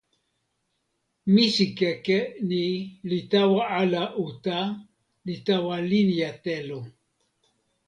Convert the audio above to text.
misikeke ni li tawa ala uta, li tawa linja telo.